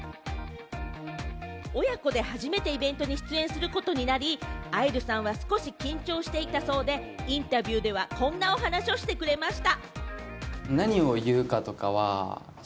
親子で初めてイベントに出演することになり、愛流さんは少し緊張していたそうで、インタビューではこんなお話をしてくれました。